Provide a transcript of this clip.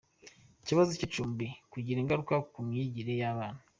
Ikibazo cy’icumbi kigira ingaruka ku myigire y’abana